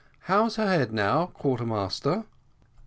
"How's her head now, quarter master?"